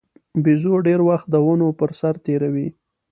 بیزو ډېر وخت د ونو پر سر تېروي.